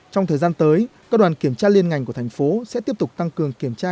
trong thời gian tới các đoàn kiểm tra liên ngành của thành phố sẽ tiếp tục tăng cường kiểm tra